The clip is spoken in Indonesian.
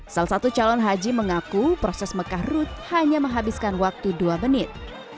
salah satu calon haji mengaku proses mekah ruth hanya menghabiskan waktu dua menit